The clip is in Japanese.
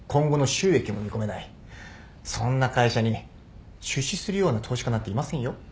そんな会社に出資するような投資家なんていませんよ。